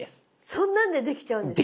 そんなんでできちゃうんですか？